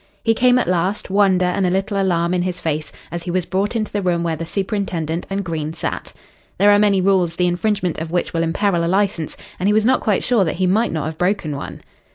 He came at last, wonder and a little alarm in his face as he was brought into the room where the superintendent and Green sat. There are many rules the infringement of which will imperil a licence, and he was not quite sure that he might not have broken one.